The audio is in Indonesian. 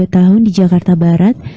dua puluh tahun di jakarta barat